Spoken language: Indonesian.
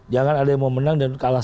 jangan ada yang mau menang dan kalah